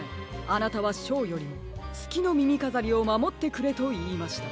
あなたは「ショーよりもつきのみみかざりをまもってくれ」といいました。